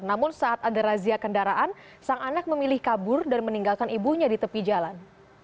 namun saat ada razia kendaraan sang anak memilih kabur dan meninggalkan ibunya di tepi jalan